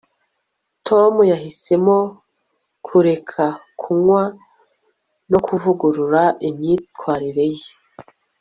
tom yahisemo kureka kunywa no kuvugurura imyitwarire ye